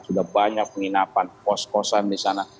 sudah banyak penginapan kos kosan di sana